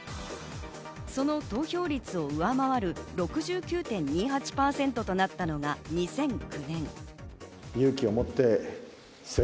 その投票率を上回る６９．２８％となったのが２００９年。